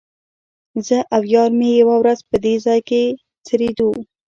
زه او یار مې یوه ورځ په دې ځای کې څریدو.